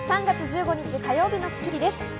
３月１５日、火曜日の『スッキリ』です。